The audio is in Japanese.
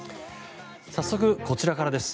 早速こちらからです。